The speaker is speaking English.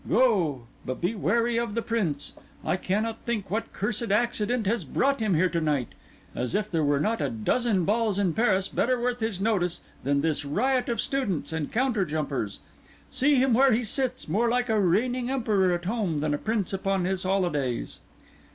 Go; but be wary of the Prince. I cannot think what cursed accident has brought him here to night. As if there were not a dozen balls in Paris better worth his notice than this riot of students and counter jumpers! See him where he sits, more like a reigning Emperor at home than a Prince upon his holidays!"